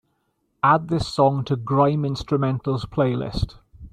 add this song to grime instrumentals playlist